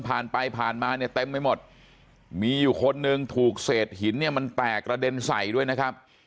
ผ่านไปผ่านมาเนี่ยเต็มไปหมดมีอยู่คนหนึ่งถูกเศษหินเนี่ยมันแตกกระเด็นใส่ด้วยนะครับ